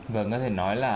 vâng có thể nói là